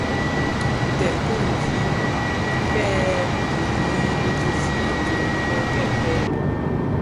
Tsèb ki fiñdim kil è dhi mum dhi zi idyōm kō kèbtèè loň.